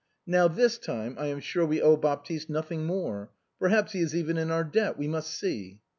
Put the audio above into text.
Now this time I am sure we owe Baptiste nothing more Perhaps he is even in our debt. We must see."